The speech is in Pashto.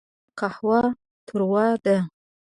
دا قهوه تروه ده.